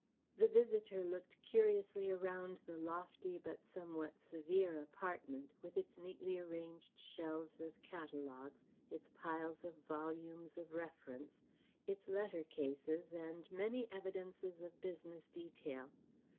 The visitor looked curiously around the lofty but somewhat severe apartment, with its neatly arranged shelves of catalogues, its piles of volumes of reference, its letter cases and many evidences of business detail.